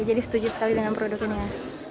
jadi setuju sekali dengan produknya